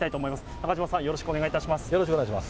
中島さん、よろしくお願いします。